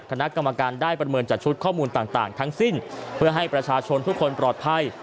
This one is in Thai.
คณะกรรมการได้ประเมินจัดชุดข้อมูลต่างทั้งสิ้นเพื่อให้ประชาชนทุกคนปลอดภัย